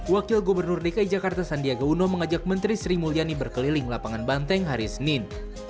wakil gubernur dki jakarta sandiaga uno mengajak menteri sri mulyani berkeliling lapangan banteng hari senin